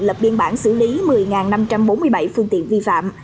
lập biên bản xử lý một mươi năm trăm bốn mươi bảy phương tiện vi phạm